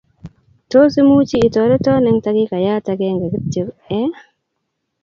Tos imuchi itoreton eng' takikayat akenge kityok ii?